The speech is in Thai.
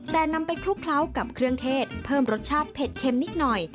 แต่นำไปคลุกเคล้ากับเครื่องเทศเพิ่มรสชาติเผ็ดเค็มนิดหน่อย